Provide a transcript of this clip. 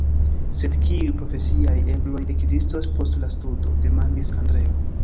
Sed kiuj profesiaj ebloj ekzistos post la studo, demandis Andreo.